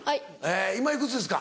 今いくつですか？